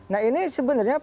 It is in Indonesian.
nah ini sebenarnya